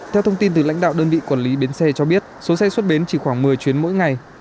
theo thông tin từ lãnh đạo đơn vị quản lý biến xe cho biết số xe suất biến chỉ khoảng một mươi chuyến mỗi ngày